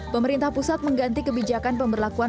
pemerintah pusat mengganti kebijakan pemberlakuan